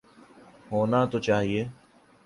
ہونا تو چاہیے۔